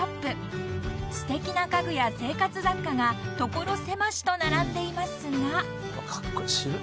［すてきな家具や生活雑貨が所狭しと並んでいますが］